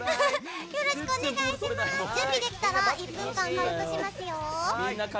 準備できたら１分間カウントしますよ。